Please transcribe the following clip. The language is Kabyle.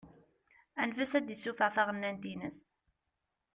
Anef-as ad d-isuffeɣ taɣennant-ines.